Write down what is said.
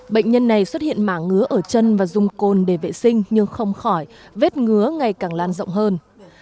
bệnh nhân này xuất hiện mảng ngứa ở chân và dùng côn để vệ sinh nhưng không khỏi vết ngứa ngày càng lan rộng hơn